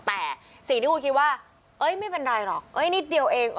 แต่สิ่งที่คุณคิดว่าเอ้ยไม่เป็นไรหรอกเอ้ยนิดเดียวเอง